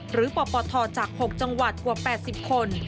ปปทจาก๖จังหวัดกว่า๘๐คน